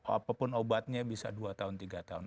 apapun obatnya bisa dua tahun tiga tahun